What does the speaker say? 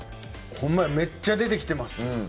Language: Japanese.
ほんまや、めっちゃ出てきてます。